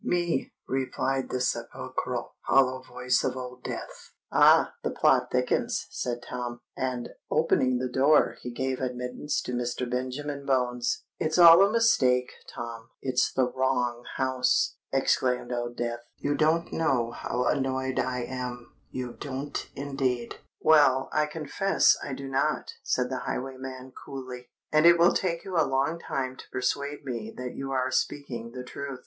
"Me," replied the sepulchral, hollow voice of Old Death. "Ah! the plot thickens," said Tom; and, opening the door, he gave admittance to Mr. Benjamin Bones. "It's all a mistake, Tom—it's the wrong house!" exclaimed Old Death. "You don't know how annoyed I am—you don't indeed!" "Well—I confess I do not," said the highwayman coolly; "and it will take you a long time to persuade me that you are speaking the truth.